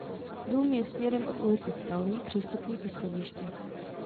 Dům je směrem od ulice Skalní přístupný po schodišti.